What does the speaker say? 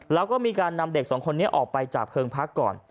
แล้วก็มีการนำเด็กสองคนนี้ออกไปจากเพิงพักก่อน